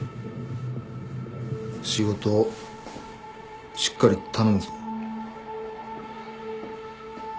仕事しっかり頼むぞ。